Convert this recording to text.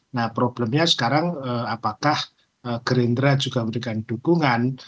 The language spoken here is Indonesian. nah problemnya sekarang apakah gerindra juga memberikan dukungan